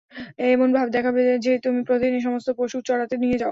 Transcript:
এমন ভাব দেখাবে যে, তুমি প্রতিদিন এ সমস্ত পশু চরাতে নিয়ে যাও।